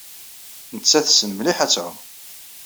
Nettat tessen mliḥ ad tɛum.